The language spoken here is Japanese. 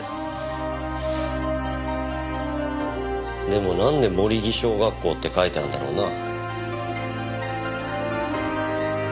でもなんで「守木小学校」って書いてあるんだろうな。